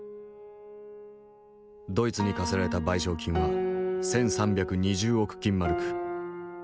ドイツに課せられた賠償金は１，３２０億金マルク。